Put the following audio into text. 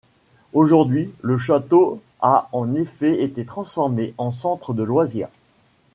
Aujourd'hui, le château a en effet été transformé en centre de loisirs.